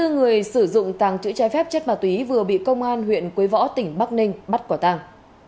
hai mươi người sử dụng tàng chữ trái phép chất ma túy vừa bị công an huyện quế võ tỉnh bắc ninh bắt quả tàng